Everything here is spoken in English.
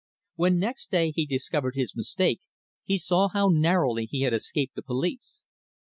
When next day he discovered his mistake he saw how narrowly he had escaped the police.